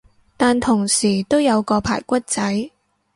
但同時都有個排骨仔